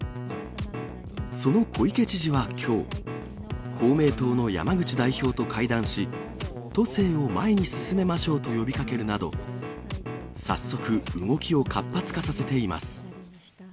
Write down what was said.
その小池知事はきょう、公明党の山口代表と会談し、都政を前に進めましょうと呼びかけるなど、早速、動きを活発化させています。